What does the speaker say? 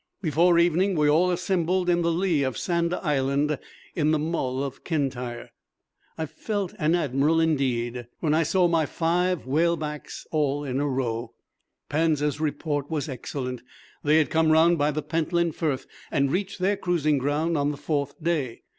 Before evening we all assembled in the lee of Sanda Island, in the Mull of Kintyre. I felt an admiral indeed when I saw my five whale backs all in a row. Panza's report was excellent. They had come round by the Pentland Firth and reached their cruising ground on the fourth day.